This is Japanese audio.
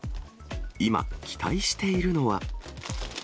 今、期待しているのは。